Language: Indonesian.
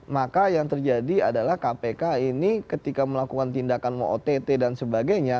maka yang terjadi adalah kpk ini ketika melakukan tindakan mau ott dan sebagainya